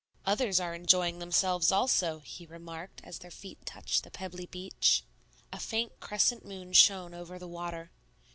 "Others are enjoying themselves also," he remarked as their feet touched the pebbly beach. A faint crescent moon shone over the water.